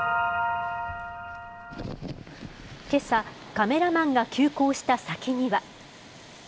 けさ、カメラマンが急行した先には。